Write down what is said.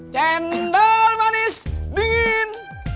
cendol manis dingin